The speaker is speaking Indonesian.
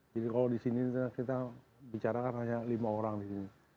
jadi kalau di sini kita bicara hanya lima orang di sini